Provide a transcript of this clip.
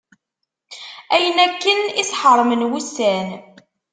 Ayen akken i s-ḥeṛmen wussan.